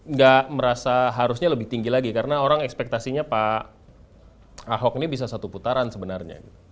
nggak merasa harusnya lebih tinggi lagi karena orang ekspektasinya pak ahok ini bisa satu putaran sebenarnya